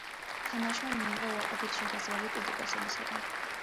თამაშმა მიიღო უარყოფითი შეფასებები კრიტიკოსებისგან.